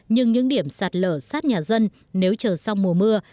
nhưng những điểm sạt lở sát nhà dân nếu chờ sau mùa mưa